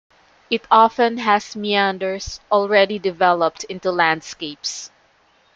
It often has meanders already developed into landscapes.